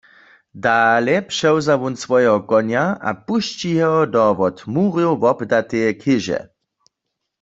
Dale přewza wón swojeho konja a pušći jeho do wot murjow wobdateje chěže.